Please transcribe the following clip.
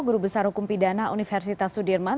guru besar hukum pidana universitas sudirman